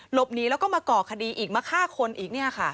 หลบหนีแล้วก็มาก่อคดีอีกมาฆ่าคนอีกเนี่ยค่ะ